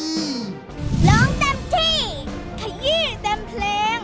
ร้องเต็มที่ขยี้เต็มเพลง